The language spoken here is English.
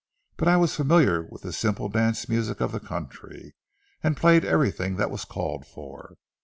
But I was familiar with the simple dance music of the country, and played everything that was called for.